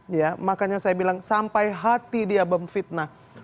iya makanya saya bilang sampai hati dia memfitnah